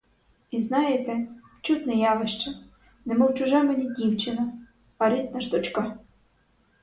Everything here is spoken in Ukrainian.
І знаєте, чудне явище: немов чужа мені дівчина, а рідна ж дочка.